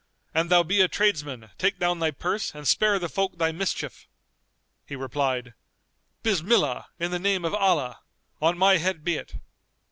An thou be a tradesman, take down thy purse and spare the folk thy mischief." He replied, "Bismillah, in the name of Allah! On my head be it."